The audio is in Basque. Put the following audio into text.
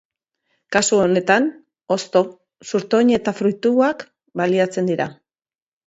Kasu honetan, hosto, zurtoin eta fruituak baliatzen dira.